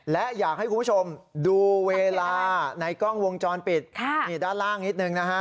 และอยากให้คุณผู้ชมดูเวลาในกล้องวงจรปิดนี่ด้านล่างนิดนึงนะฮะ